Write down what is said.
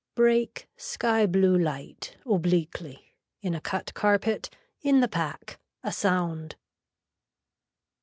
Break, sky blue light, obliquely, in a cut carpet, in the pack. A sound.